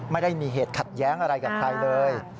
ไม่ได้มีเหตุขัดแย้งอะไรกับใครเลย